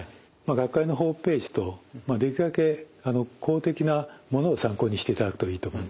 学会のホームページ等できるだけ公的なものを参考にしていただくといいと思うんですね。